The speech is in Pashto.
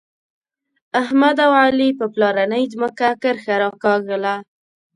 احمد او علي په پلارنۍ ځمکه کرښه راکاږله.